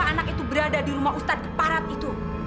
anak itu berada di rumah ustadz keparat itu